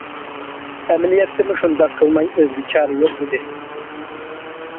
ئەمەلىيەتتىمۇ شۇنداق قىلماي ئۆزگە چارە يوق ئىدى.